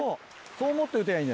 そう思って打てばいいんだよね。